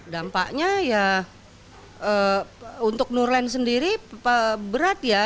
dampaknya ya untuk nurlan sendiri berat ya